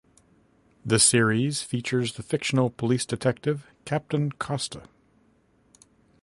The series features the fictional police detective Captain Coste.